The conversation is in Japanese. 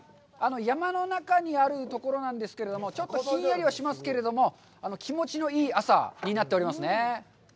山の中にあるところなんですけれども、ちょっとひんやりはしますけれども、気持ちのいい朝になっておりますね。